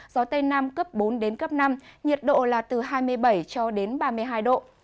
gió tây nam cấp bốn năm nhiệt độ là từ hai mươi bảy ba mươi hai độ